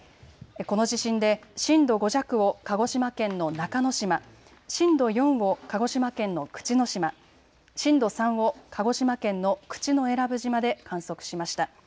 この地震で震度５弱を鹿児島県の中之島、震度４を鹿児島県の口之島、震度３を鹿児島県の口永良部島で観測しました。